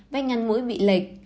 vách ngăn mũi bị lệch